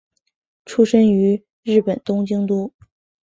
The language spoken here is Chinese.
出身于日本东京都。